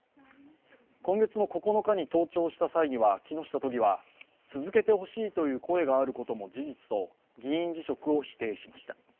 今月９日に登庁した際には木下都議は続けてほしいという声があることも事実と議員辞職を否定しました。